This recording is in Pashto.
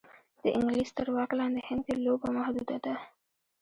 د انګلیس تر واک لاندې هند کې لوبه محدوده ده.